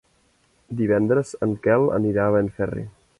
Divendres en Quel anirà a Benferri.